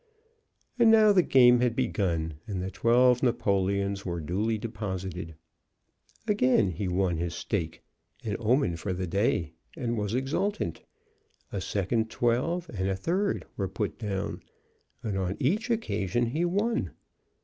And now the game had begun, and the twelve napoleons were duly deposited. Again he won his stake, an omen for the day, and was exultant. A second twelve and a third were put down, and on each occasion he won.